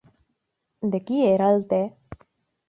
De qui era el te?